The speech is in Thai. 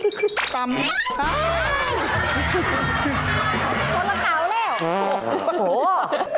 คนละเตาแหละ